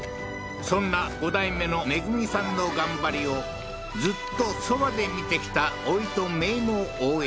そんな５代目のめぐみさんの頑張りをずっとそばで見てきたおいとめいも応援